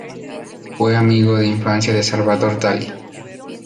Fue amigo de infancia de Salvador Dalí.